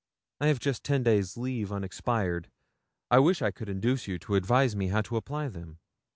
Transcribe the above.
I have just ten days' leave unexpired; I wish I could induce you to advise me how to apply them.